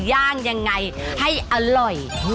ย่างยังไงให้อร่อย